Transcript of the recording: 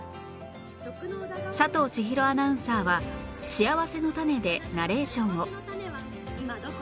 佐藤ちひろアナウンサーは『しあわせのたね。』でナレーションを